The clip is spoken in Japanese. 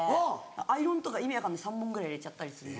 アイロンとか意味分かんない３本ぐらい入れちゃったりするの。